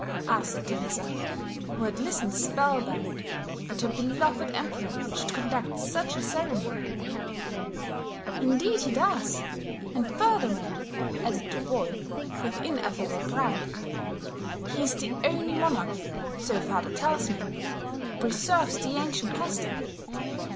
asked Teresa, who had listened spellbound, that her beloved emperor should conduct such a ceremony. "Indeed he does! And, furthermore," added the boy, with ineffable pride, "he is the only monarch, so father tells me, who preserves the ancient custom.